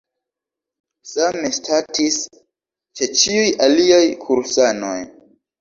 Same statis ĉe ĉiuj aliaj kursanoj.